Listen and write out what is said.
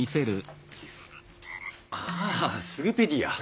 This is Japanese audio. ああスグペディア。